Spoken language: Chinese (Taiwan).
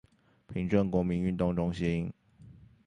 平鎮國民運動中心